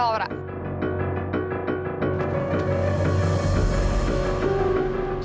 tuh dia pacarnya laura